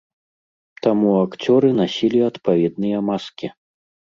Таму акцёры насілі адпаведныя маскі.